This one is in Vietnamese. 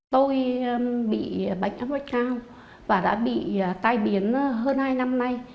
tôi bị bệnh thấp bệnh cao và đã bị tai biến hơn hai năm nay